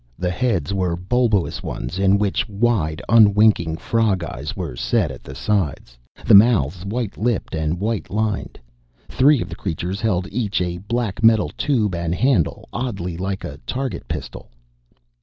The heads were bulbous ones in which wide, unwinking frog eyes were set at the sides, the mouths white lipped and white lined. Three of the creatures held each a black metal tube and handle oddly like a target pistol.